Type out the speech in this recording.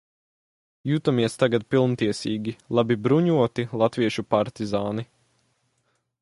Jutāmies tagad pilntiesīgi, labi bruņoti, latviešu partizāni.